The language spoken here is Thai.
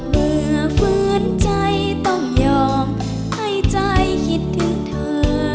เมื่อฝืนใจต้องยอมให้ใจคิดถึงเธอ